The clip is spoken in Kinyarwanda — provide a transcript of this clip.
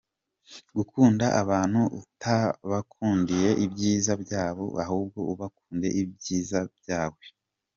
Gukunda abantu utabakundiye ibyiza byabo ahubwo ubakundiye ibyiza byawe.